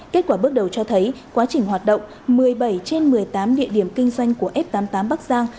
kết quả bước đầu cho thấy quá trình hoạt động một mươi bảy trên một mươi tám địa điểm kinh doanh của f tám mươi tám bắc giang